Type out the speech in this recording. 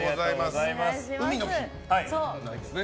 海の日なんですね。